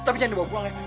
bawa buang ya